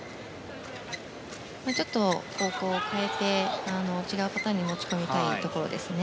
ちょっと方向を変えて違うパターンに持ち込みたいですね。